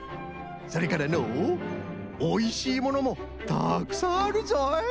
それからのうおいしいものもたくさんあるぞい！